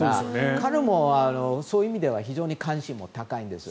彼もそういう意味では非常に関心も高いんです。